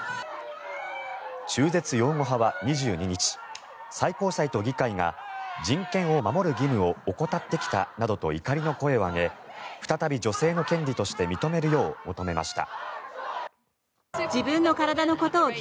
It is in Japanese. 中絶擁護派は２２日最高裁と議会が人権を守る義務を怠ってきたなどと怒りの声を上げ再び女性の権利として認めるよう求めました。